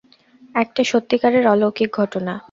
একটা সত্যিকারের অলৌকিক ঘটনা।